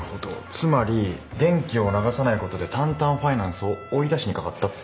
つまり電気を流さない事でタンタンファイナンスを追い出しにかかったって事か。